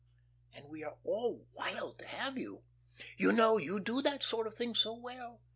And we are all wild to have you. You know you do that sort of thing so well.